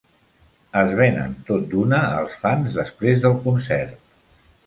Es venen tot d'una als fans després del concert.